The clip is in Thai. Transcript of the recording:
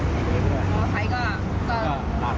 ชนปังเลยรถเก่งก็มาเร็ว